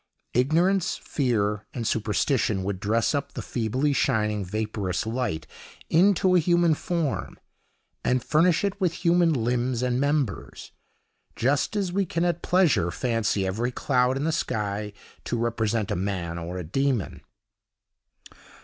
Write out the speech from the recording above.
Ignorance, fear, and superstition, would dress up the feebly shining, vaporous light into a human form, and furnish it with human limbs and members; just as we can at pleasure fancy every cloud in the sky to represent a man or a demon.